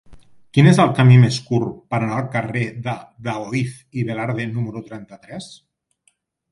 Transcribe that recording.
Quin és el camí més curt per anar al carrer de Daoíz i Velarde número trenta-tres?